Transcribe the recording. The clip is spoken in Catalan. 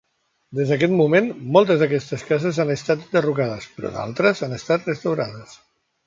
Des d'aquest moment, moltes d'aquestes cases han estat enderrocades, però d'altres han estat restaurades.